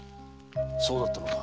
そうだったのか。